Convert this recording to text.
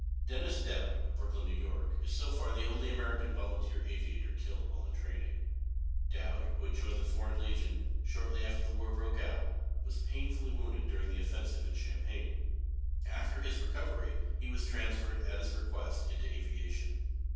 Dennis Dowd, of Brooklyn, N.Y., is so far the only American volunteer aviator killed while in training. Dowd, who had joined the Foreign Legion, shortly after the war broke out, was painfully wounded during the offensive in Champagne. After his recovery he was transferred, at his request, into aviation.